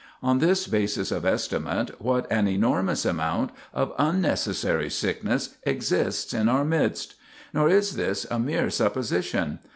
On this basis of estimate what an enormous amount of unnecessary sickness exists in our midst! Nor is this a mere supposition.